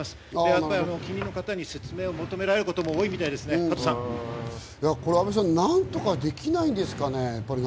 やっぱり近隣の方に説明を求められる方も多いみたいですね、加藤さん。何とかできないんですかね？